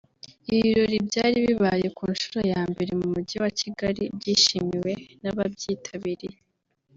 Ibi birori byari bibaye ku nshuro ya mbere mu mujyi wa Kigali byishimiwe n’ababyitabiriye